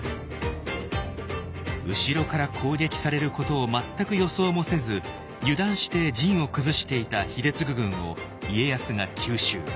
後ろから攻撃されることを全く予想もせず油断して陣を崩していた秀次軍を家康が急襲。